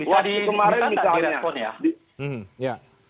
waktu kemarin misalnya